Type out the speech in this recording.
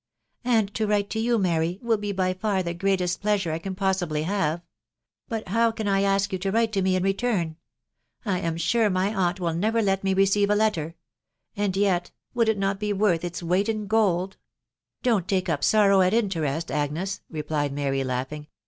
" And to write to you, Mary, will be by far the greatest pleasure I can possibly have. But how can I ask you to write to me in return ?.... I am sure my aunt will never let me receive a letter ;.•.• and yet, would it not be worth xta weight in gold ?"" Don't take up sorrow at interest, Agnes," replied Mary, laughing.